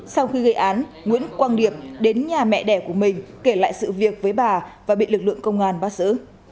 sau khi gây án nguyễn quang điệp đến nhà mẹ đẻ của mình kể lại sự việc với bà và bị lực lượng công an bắt giữ